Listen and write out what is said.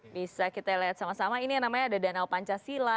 bisa kita lihat sama sama ini yang namanya ada danau pancasila